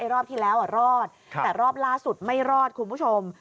รอบที่แล้วรอดแต่รอบล่าสุดไม่รอดคุณผู้ชม